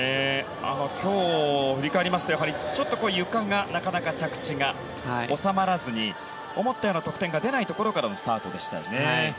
今日、振り返りますとゆかがなかなか着地が収まらずに思ったような得点が出ないところからのスタートでした。